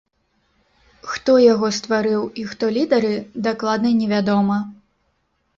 Хто яго стварыў і хто лідары, дакладна невядома.